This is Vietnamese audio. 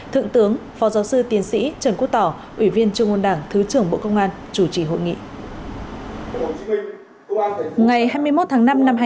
thượng tướng phó giáo sư tiến sĩ trần quốc tỏ ủy viên trung ương đảng thứ trưởng bộ công an chủ trì hội nghị